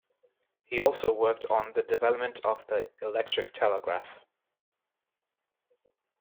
He also worked on the development of the electric telegraph.